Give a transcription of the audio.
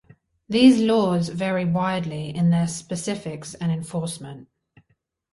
These laws vary widely in their specifics and enforcement.